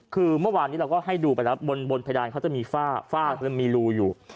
คือเมื่อวานนี้เราก็ให้ดูไปแล้วบนเพดานเขาจะมีฝ้าฝ้ามันมีรูอยู่